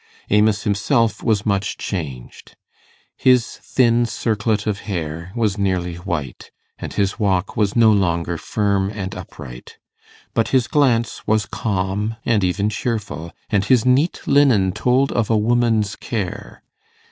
Amos himself was much changed. His thin circlet of hair was nearly white, and his walk was no longer firm and upright. But his glance was calm, and even cheerful, and his neat linen told of a woman's care.